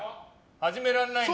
始められないので。